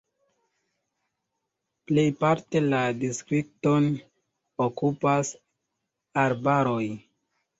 Plejparte la distrikton okupas arbaroj.